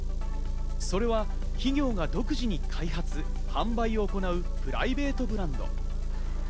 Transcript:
それは企業が独自に開発販売を行うプライベートブランド。